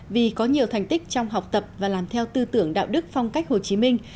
vì có nhiều thành tích trong học tập và làm theo tư tưởng đạo đức phong cách hồ chí minh